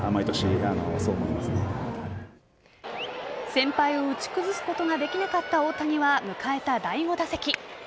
先輩を打ち崩すことができなかった大谷は迎えた第５打席。